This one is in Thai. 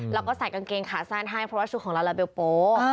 แล้วก็ใส่กางเกงขาสั้นให้เพราะว่าชุดของลาลาเบลโป๊